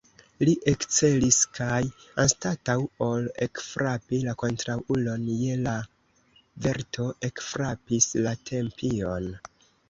Li ekcelis kaj, anstataŭ ol ekfrapi la kontraŭulon je la verto, ekfrapis la tempion.